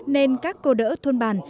nên các cô đỡ thôn bản